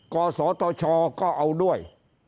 กศตชก็เอาด้วย